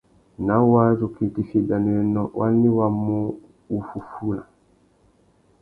Ná wadjú kā itifiya ibianéwénô, wani wá mú wuffúffuna?